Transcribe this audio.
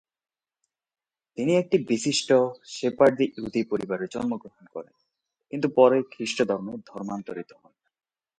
তিনি একটি বিশিষ্ট সেফারদি ইহুদি পরিবারে জন্মগ্রহণ করেন কিন্তু পরে খ্রিস্টধর্মে ধর্মান্তরিত হন।